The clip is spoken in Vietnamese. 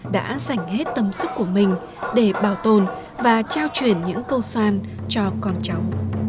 đã dành hết tâm sức của mình để bảo tồn và trao chuyển những câu xoan cho con cháu